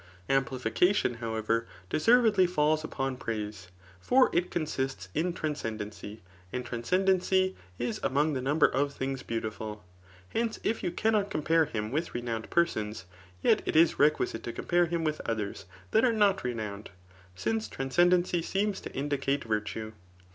Amplification^ however, deservedly falls upon praise ; for it consists in transcen dency; and transcendency is among the number of things beaudfuL Hence, if you cannot compare him with renowned persons, yet it is requisite to compare him with others, [that are not renowned,3 since transcen ^ dency seems to indicate virtue.